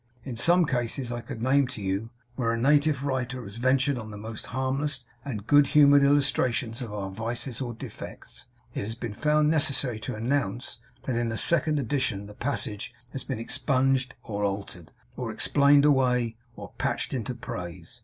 In some cases I could name to you, where a native writer has ventured on the most harmless and good humoured illustrations of our vices or defects, it has been found necessary to announce, that in a second edition the passage has been expunged, or altered, or explained away, or patched into praise.